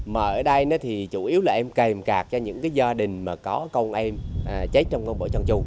mở đây thì chủ yếu là em kèm cạt cho những gia đình mà có con em chết trong con bộ trang trung